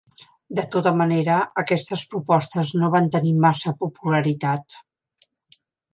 De tota manera, aquestes propostes no van tenir massa popularitat.